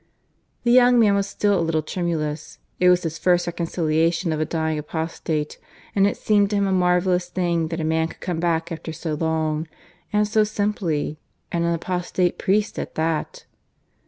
The young man was still a little tremulous; it was his first reconciliation of a dying apostate, and it seemed to him a marvellous thing that a man could come back after so long, and so simply and an apostate priest at that!